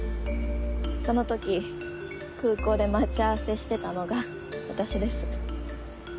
その時空港で待ち合わせしてたのが私です。